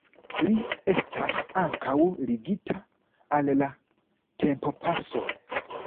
Li estas ankaŭ ligita al la tempopaso.